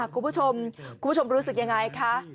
คุณผู้ชมรู้สึกยังไงคะ